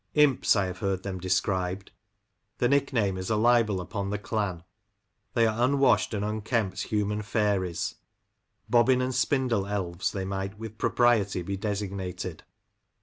" Imps," I have heard them described ; the nickname is a libel upon the clan. They are unwashed and unkempt human fairies ;" bobbin and spindle elves " they might with propriety be designated.